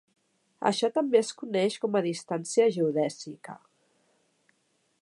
Això també es coneix com a distància geodèsica.